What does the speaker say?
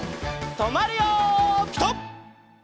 とまるよピタ！